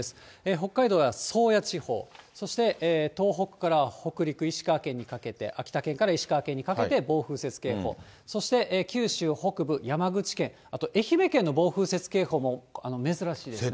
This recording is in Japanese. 北海道は宗谷地方、そして東北から北陸、石川県にかけて、秋田県から石川県にかけて暴風雪警報、そして九州北部、山口県、あと愛媛県の暴風雪警報も珍しいですね。